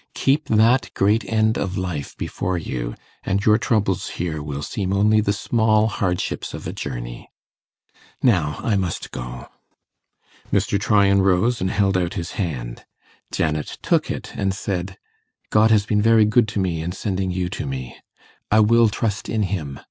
Keep that great end of life before you, and your troubles here will seem only the small hardships of a journey. Now I must go.' Mr. Tryan rose and held out his hand. Janet took it and said, 'God has been very good to me in sending you to me. I will trust in Him.